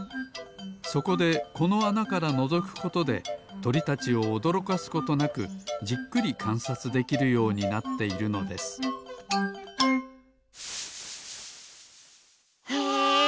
そこでこのあなからのぞくことでとりたちをおどろかすことなくじっくりかんさつできるようになっているのですへえ